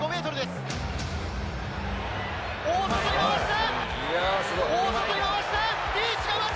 大外に回した！